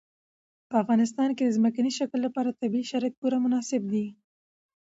په افغانستان کې د ځمکني شکل لپاره طبیعي شرایط پوره مناسب دي.